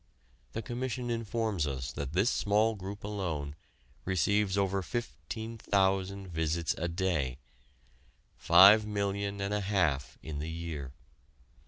The Commission informs us that this small group alone receives over fifteen thousand visits a day five million and a half in the year.